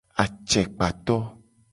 Acekpato.